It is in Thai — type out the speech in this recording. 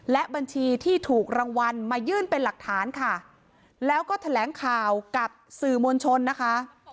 และบัญชีที่ถูกรางวัลมายื่นเป็นหลักฐานค่ะแล้วก็แถลงข่าวกับสื่อมวลชนนะคะ